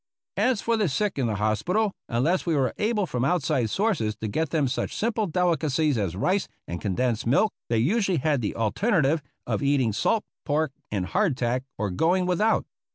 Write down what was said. As for the sick in the hospital, unless we were able from outside sources to get them such simple delicacies as rice and condensed milk, they usually had the alternative of eating salt pork and hardtack or going without.